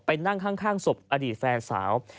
นั่งข้างศพอดีตแฟนสาว